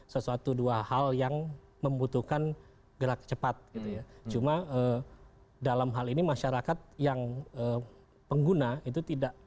sesuatu dua hal yang membutuhkan gerak cepat gitu ya cuma dalam hal ini masyarakat yang pengguna itu tidak